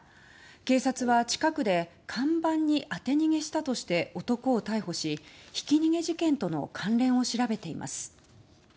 警察は、近くで看板に当て逃げしたとして男を逮捕しひき逃げ事件との関連を調べています。